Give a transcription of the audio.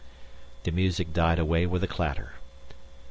The music died away with a clatter.